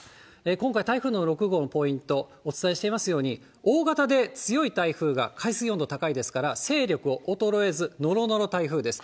今回、台風６号のポイント、お伝えしていますように、大型で強い台風が、海水温度高いですから、勢力を衰えず、のろのろ台風です。